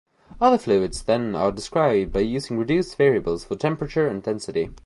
Other fluids then are described by using reduced variables for temperature and density.